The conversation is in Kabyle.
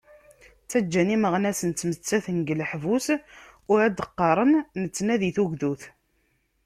Ttaǧǧan imeɣnasen ttmettaten deg leḥbus, u ad d-qqaren nettnadi tugdut!